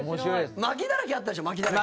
牧だらけあったでしょ牧だらけ。